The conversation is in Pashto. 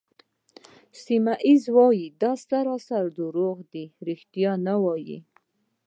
سیمونز وویل: دا سراسر درواغ دي، ریښتیا نه وایې.